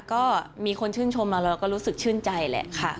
ก็มีคนชื่นชมเราก็รู้สึกชื่นใจแหละค่ะ